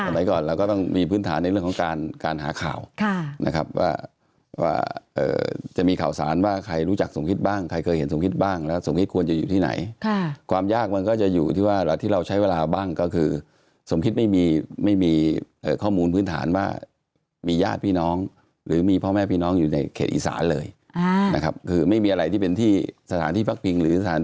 ก่อนเราก็ต้องมีพื้นฐานในเรื่องของการการหาข่าวนะครับว่าจะมีข่าวสารว่าใครรู้จักสมคิดบ้างใครเคยเห็นสมคิดบ้างแล้วสมคิดควรจะอยู่ที่ไหนความยากมันก็จะอยู่ที่ว่าที่เราใช้เวลาบ้างก็คือสมคิดไม่มีไม่มีข้อมูลพื้นฐานว่ามีญาติพี่น้องหรือมีพ่อแม่พี่น้องอยู่ในเขตอีสานเลยนะครับคือไม่มีอะไรที่เป็นที่สถานที่พักพิงหรือสถาน